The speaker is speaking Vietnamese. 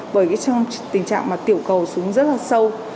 bởi cái tình trạng mà tiểu cầu xuống rất là sâu